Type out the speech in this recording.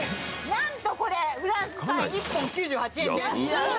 何とこれフランスパン１本９８円です。